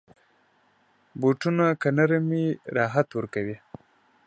بوټونه که نرم وي، راحت ورکوي.